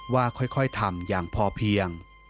ว่าค่อยทำอย่างพอเพียง